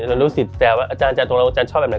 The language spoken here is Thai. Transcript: รู้สึกแปลว่าอาจารย์ตรงแล้วอาจารย์ชอบแบบไหน